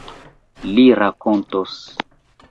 Li rakontos.